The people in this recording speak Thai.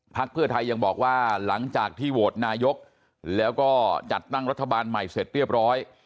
เพื่อไทยยังบอกว่าหลังจากที่โหวตนายกแล้วก็จัดตั้งรัฐบาลใหม่เสร็จเรียบร้อย